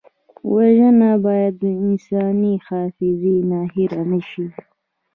وژنه باید د انساني حافظې نه هېره نه شي